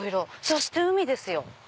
そして海ですよ。